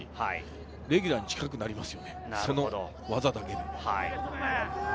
レギュラーに近くなりますよね、その技だけで。